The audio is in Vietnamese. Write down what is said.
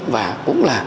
và cũng là